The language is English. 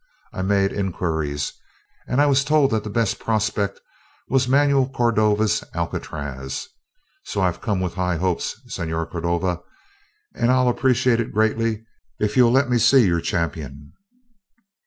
I made inquiries and I was told that the best prospect was Manuel Cordova's Alcatraz. So I've come with high hopes, Señor Cordova, and I'll appreciate it greatly if you'll let me see your champion."